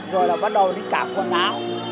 rồi là bắt đầu đi cạm quần áo